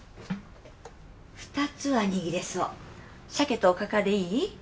２つは握れそうシャケとおかかでいい？